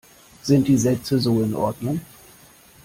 Sind die Sätze so in Ordnung?